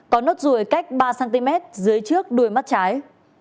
có nốt ruồi cách ba cm dưới trước đuôi mắt trái